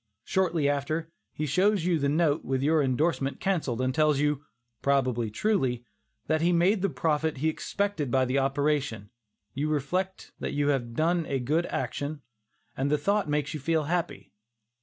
Shortly after, he shows you the note with your indorsement cancelled, and tells you, probably truly, "that he made the profit that he expected by the operation," you reflect that you have done a good action, and the thought makes you feel happy.